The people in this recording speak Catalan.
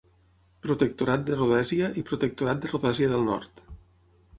Protectorat de Rhodèsia i Protectorat de Rhodèsia del Nord.